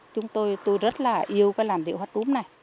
chúng tôi rất là yêu cái làn điệu hát đúm này